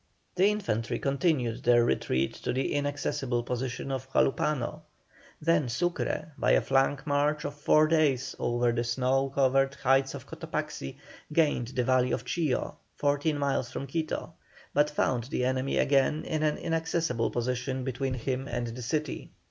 The infantry continued their retreat to the inaccessible position of Jalupano. Then Sucre, by a flank march of four days over the snow covered heights of Cotopaxi, gained the valley of Chilló, 14 miles from Quito, but found the enemy again in an inaccessible position between him and the city.